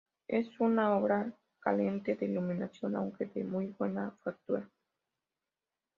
Es una obra carente de iluminación, aunque de muy buena factura.